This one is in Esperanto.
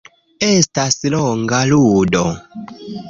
Estas longa ludo.